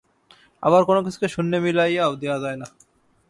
আবার কোন কিছুকে শূন্যে মিলাইয়াও দেওয়া যায় না।